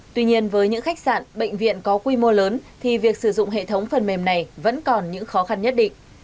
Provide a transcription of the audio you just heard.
tuy nhiên với những khách sạn bệnh viện có quy mô lớn thì việc sử dụng hệ thống phần mềm này vẫn còn những khó khăn nhất định